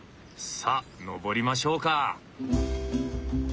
さあ登りましょうか！